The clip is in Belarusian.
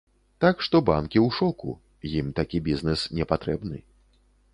Так што банкі ў шоку, ім такі бізнэс не патрэбны.